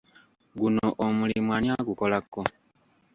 Guno omulimu ani agukolako?